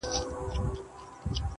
د بل په غاړه چاړه تېره کوي.